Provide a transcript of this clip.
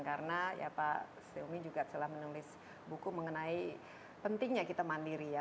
karena pak setyo min juga telah menulis buku mengenai pentingnya kita mandiri ya